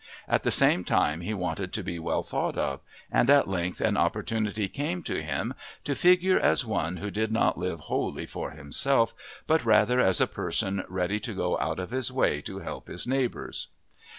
At the same time he wanted to be well thought of, and at length an opportunity came to him to figure as one who did not live wholly for himself but rather as a person ready to go out of his way to help his neighbours.